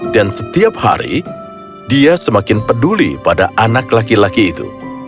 dan setiap hari dia semakin peduli pada anak laki laki itu